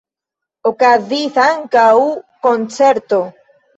Okazis ankaŭ koncerto.